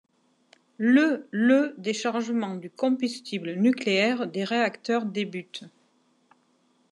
Le le déchargement du combustible nucléaire des réacteurs débute.